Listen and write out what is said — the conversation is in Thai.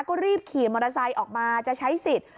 ก็รีบขี่มอเตอร์ไซค์ออกมาจะใช้สิทธิ์